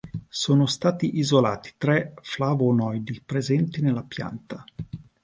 Sono stati isolati tre flavonoidi presenti nella pianta.